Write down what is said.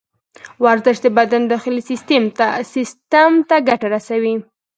ورزش د بدن داخلي سیستم ته ګټه رسوي.